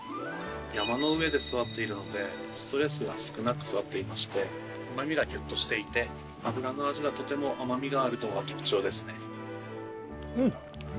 山の上で育っているのでストレスが少なく育っていましてうまみがギュッとしていて脂の味がとても甘みがあるところが特徴ですね。